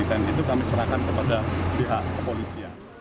dan itu kami serahkan kepada pihak kepolisian